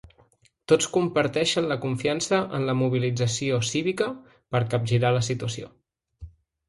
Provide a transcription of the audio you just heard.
Tots comparteixen la confiança en la mobilització cívica per a capgirar la situació.